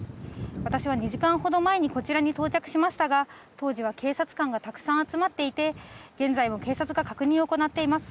私は２時間ほど前にこちらに到着しましたが、当時は警察官がたくさん集まっていて、現在も警察が確認を行っています。